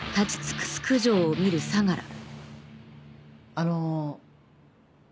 あの。